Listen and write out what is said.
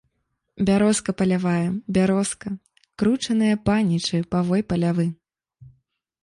Бярозка палявая, бярозка, кручаныя панічы, павой палявы.